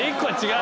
う。